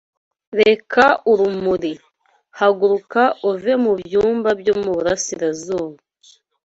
reka urumuri Haguruka uve mu byumba byo mu burasirazuba